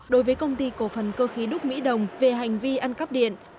đối với công ty cổ phần cơ khí đúc mỹ đồng về hành vi ăn cắp điện